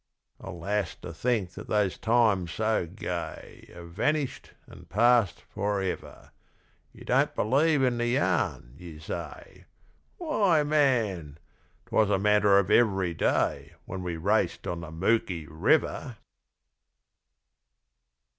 Alas to think that those times so gay Have vanished and passed for ever! You don't believe in the yarn you say? Why, man! 'Twas a matter of every day When we raced on the Mooki River!